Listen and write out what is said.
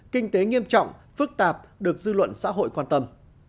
kinh tế nghiêm trọng phức tạp được dư luận xã hội quan tâm